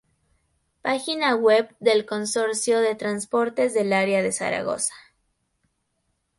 Página web del Consorcio de Transportes del Área de Zaragoza